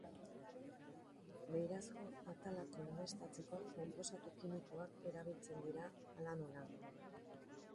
Beirazko atalak koloreztatzeko konposatu kimikoak erabiltzen dira, hala nola.